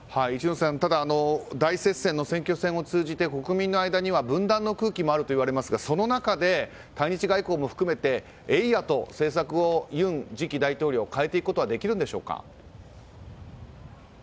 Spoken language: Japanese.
一之瀬さん、ただ大接戦の選挙戦を通じて国民の間には分断の空気もあるといわれますがその中で、対日外交も含めてえいや！と政策をユン次期大統領変えていくことができるんでしょうか。